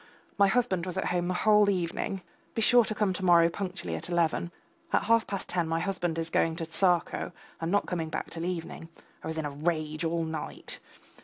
My husband was at home the whole evening. Be sure to come to morrow punctually at eleven. At half past ten my husband is going to Tsarskoe and not coming back till evening. I was in a rage all night.